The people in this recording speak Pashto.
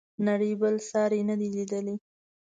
نړۍ بل ساری نه دی لیدلی.